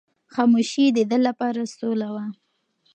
خاموشي د ده لپاره سوله وه.